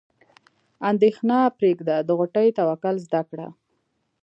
اندیښنه پرېږده د غوټۍ توکل زده کړه.